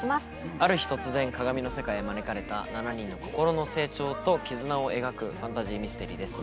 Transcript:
ある日突然鏡の世界へ招かれた７人の心の成長と絆を描くファンタジーミステリーです。